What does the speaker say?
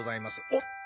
おっと。